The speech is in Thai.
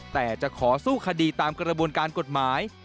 แต่จะขอสู้คดีตามกระบวนการกฎหมาย